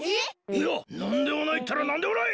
いやなんでもないったらなんでもない！